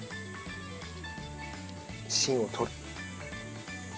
芯を取る。